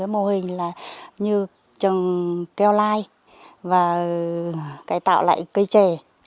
mô hình như trồng keo lai và cải tạo lại cây chè